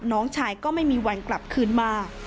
น้องชายก็ไม่มีวันกลับคืนมา